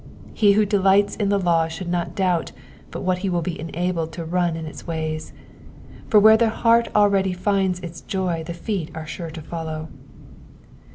He who delights in the law should not doubt but what he will be enabled to run in its ways, for where the heart already finds its joy the feet are sure to follow.